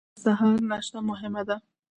د سهار ناشته مهمه ده